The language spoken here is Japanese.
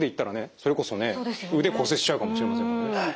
それこそね腕骨折しちゃうかもしれませんもんね。